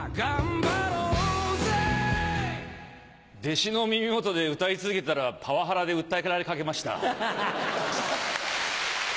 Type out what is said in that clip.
弟子の耳元で歌い続けてたらパワハラで訴えられかけました。